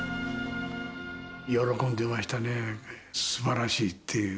喜んでましたね、すばらしいっていう。